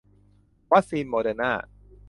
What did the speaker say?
วัคซีนโมเดอร์นา